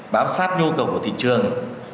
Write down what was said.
bám sát nhu cầu của thị trường